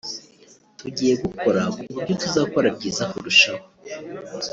tugiye gukora ku buryo tuzakora byiza kurushaho